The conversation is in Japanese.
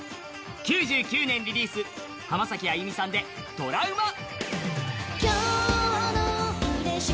９９年リリース、浜崎あゆみさんで「Ｔｒａｕｍａ」。